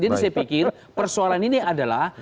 jadi saya pikir persoalan ini adalah